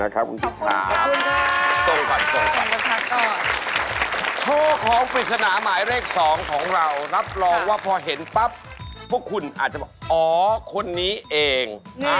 อ๋อคนนี้เอง